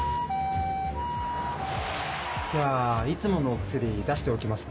じゃあいつものお薬出しておきますね。